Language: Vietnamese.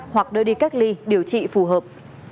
hoặc đưa đi cách ly điều trị phù hợp